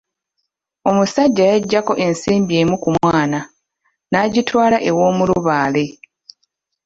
Omusajja yaggyako ensimbi emu ku mwana, n'agitwala ew’omulubaale.